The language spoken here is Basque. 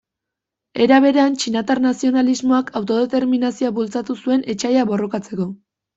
Era berean txinatar nazionalismoak autodeterminazioa bultzatu zuen etsaia borrokatzeko.